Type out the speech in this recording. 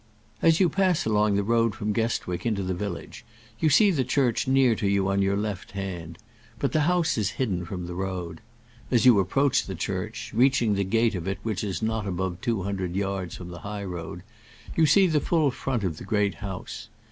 As you pass along the road from Guestwick into the village you see the church near to you on your left hand; but the house is hidden from the road. As you approach the church, reaching the gate of it which is not above two hundred yards from the high road, you see the full front of the Great House.